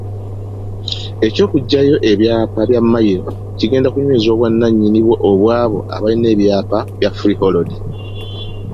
Eky'okuggyawo ebyapa bya Mmayiro kigenda kunyweza obwannannyini obw'abo abalina ebyapa bya freehold.